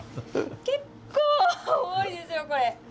結構重いですよこれ。